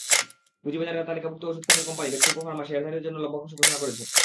পুঁজিবাজারে তালিকাভুক্ত ওষুধ খাতের কোম্পানি বেক্সিমকো ফার্মা শেয়ারধারীদের জন্য লভ্যাংশ ঘোষণা করেছে।